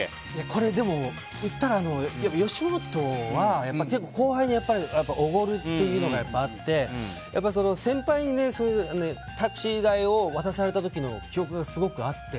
これ言ったら、吉本は結構、後輩におごるっていうのがあって先輩にタクシー代を渡された時の記憶がすごくあって。